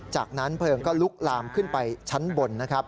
จากนั้นเพลิงก็ลุกลามขึ้นไปชั้นบนนะครับ